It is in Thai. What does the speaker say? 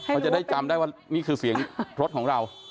เขาจะได้จำได้ว่านี่คือเสียงรถของเรา